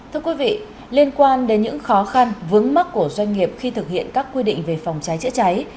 thưa quý vị liên quan đến những khó khăn vướng mắt của doanh nghiệp khi thực hiện các quy định về phòng cháy chữa cháy